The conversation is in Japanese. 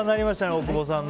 大久保さん。